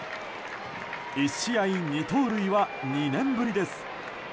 １試合２盗塁は２年ぶりです。